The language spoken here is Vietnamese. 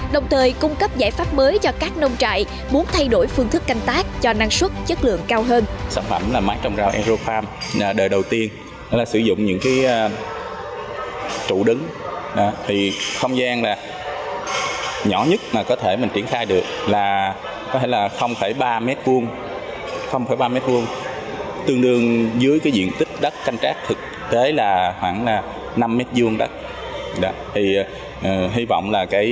đồng thời cung cấp giải pháp mới cho các nông trại muốn thay đổi phương thức canh tác cho năng suất chất lượng cao hơn